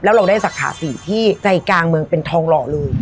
เราได้สาขา๔ที่ใจกลางเมืองเป็นทองหล่อเลย